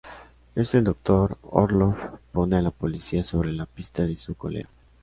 Es el Dr. Orloff pone a la policía sobre la pista de su colega.